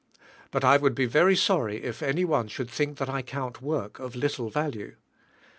But I would be very sorry if any one should think that I count work of little value.